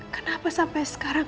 kenapa sampai sekarang